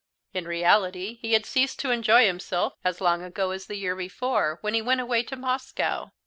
In reality he had ceased to enjoy himself as long ago as the year before, when he went away to Moscow.